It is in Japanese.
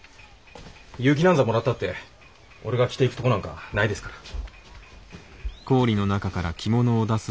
結城なんざもらったって俺が着ていくとこなんかないですから。